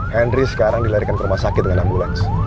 henry sekarang dilarikan ke rumah sakit dengan ambulans